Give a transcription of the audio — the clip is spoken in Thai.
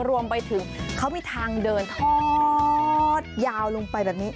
รวมไปถึงเขามีทางเดินทอดยาวลงไปแบบนี้